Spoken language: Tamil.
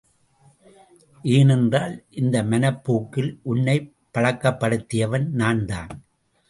ஏனென்றால், இந்த மனப் போக்கில் உன்னைப் பழக்கப்படுத்தியவன் நான்தான்.